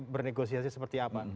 bernegosiasi seperti apa